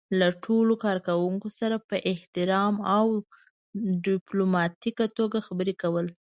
له ټولو کار کوونکو سره په احترام او ډيپلوماتيکه توګه خبرې کول.